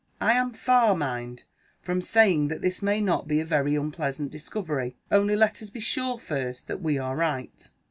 I am far, mind, from saying that this may not be a very unpleasant discovery. Only let us be sure first that we are right."